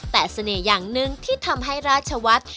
แต่เสน่ห์อย่างหนึ่งที่ทำให้ราชวัฒน์